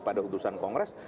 pada utusan kongres